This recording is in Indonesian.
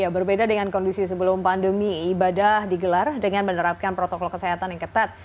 berbeda dengan kondisi sebelum pandemi ibadah digelar dengan menerapkan protokol kesehatan yang ketat